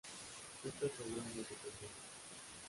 Estas obras no se conservan.